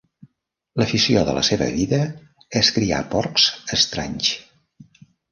L'afició de la seva vida és criar porcs estranys.